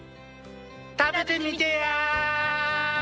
食べてみてやー！